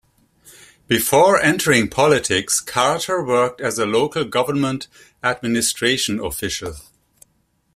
Before entering politics, Carter worked as a local government administration official.